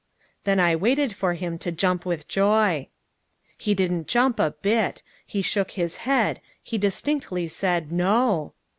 Then I waited for him to jump with joy. He didn't jump a bit. He shook his head. He distinctly said "No."